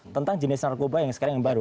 tentang jenis narkoba yang sekarang yang baru